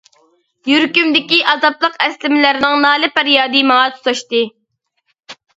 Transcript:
يۈرىكىمدىكى ئازابلىق ئەسلىمىلەرنىڭ نالە-پەريادى ماڭا تۇتاشتى.